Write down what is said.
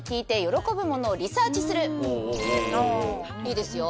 いいですよ。